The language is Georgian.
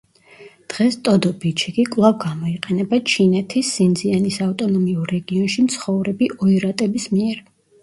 დღეს ტოდო-ბიჩიგი კვლავ გამოიყენება ჩინეთის სინძიანის ავტონომიურ რეგიონში მცხოვრები ოირატების მიერ.